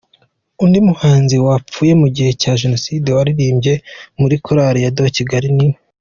undi muhanzi wapfuye mu gihe cya Jenoside waririmbye muri Korali de Kigali ni,.